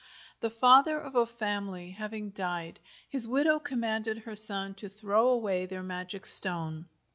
The father of a family having died, his widow commanded her son to throw away their magic stone.